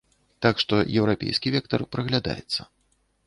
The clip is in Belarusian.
Так што еўрапейскі вектар праглядаецца.